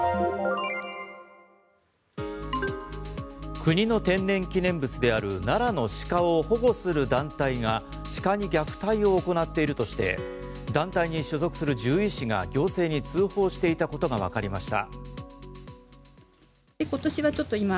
国の天然記念物である奈良の鹿を保護する団体が鹿に虐待を行っているとして団体に所属する獣医師が行政に通報していたことがわかりました。